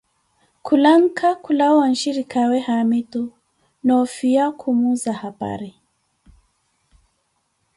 Khulanka kulawa wa nshirikaawe Haamitu, noofiya Khumuza hapari.